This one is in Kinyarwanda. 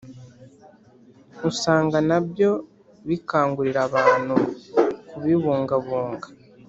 usanga na byo bikangurira abantu kubibungabunga